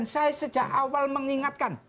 saya sejak awal mengingatkan